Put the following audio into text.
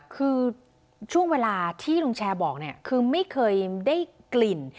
คือช่วงเวลาที่ลุงแชร์บอกเนี่ยคือไม่เคยได้กลิ่น